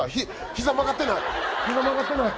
膝曲がってない。